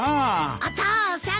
お父さん。